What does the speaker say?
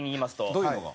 どういうのが？